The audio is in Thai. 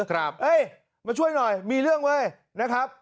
เอ้ยมาช่วยหน่อยมีเรื่องเว้ยนะครับ